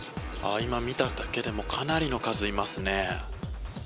今見ただけでもかなりの数いますね。